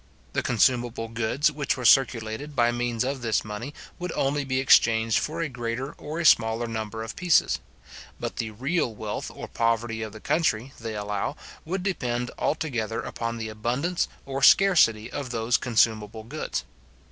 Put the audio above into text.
The consumable goods, which were circulated by means of this money, would only be exchanged for a greater or a smaller number of pieces; but the real wealth or poverty of the country, they allow, would depend altogether upon the abundance or scarcity of those consumable goods.